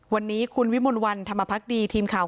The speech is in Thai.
วันนี้คุณวิมลวันธรรมพักดีทีมข่าว